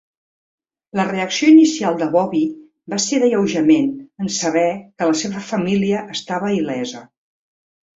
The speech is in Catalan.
La reacció inicial de Bobby va ser d'alleujament en saber que la seva família estava il·lesa.